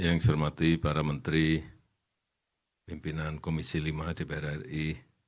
yang saya hormati para menteri pimpinan komisi lima dpr ri